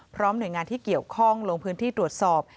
พร้อมหน่วยงานที่เกี่ยวข้องลงพื้นที่ตรวจสอบ